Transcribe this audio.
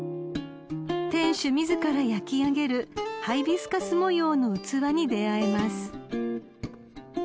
［店主自ら焼き上げるハイビスカス模様の器に出合えます］